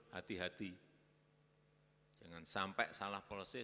hati hati dengan sampai salah polisi